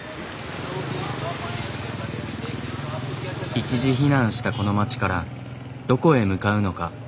一時避難したこの街からどこへ向かうのか。